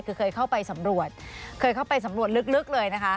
คือเคยเข้าไปสำรวจเคยเข้าไปสำรวจลึกเลยนะคะ